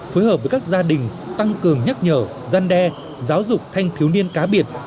phối hợp với các gia đình tăng cường nhắc nhở gian đe giáo dục thanh thiếu niên cá biệt